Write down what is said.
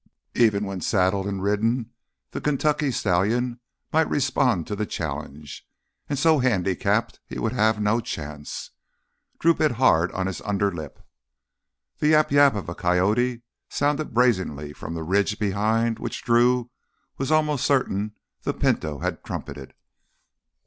Even when saddled and ridden, the Kentucky stallion might respond to the challenge. And so handicapped he would have no chance! Drew bit hard on his underlip. The yap yap of a coyote sounded brazenly from the ridge behind which Drew was almost certain the Pinto had trumpeted.